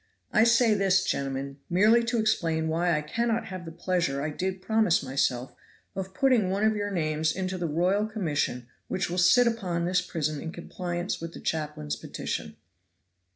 I say this, gentlemen, merely to explain why I cannot have the pleasure I did promise myself of putting one of your names into the royal commission which will sit upon this prison in compliance with the chaplain's petition."